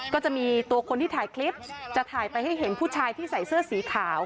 ก็จะมีตัวคนที่ถ่ายคลิปจะถ่ายไปให้เห็นผู้ชายที่ใส่เสื้อสีขาว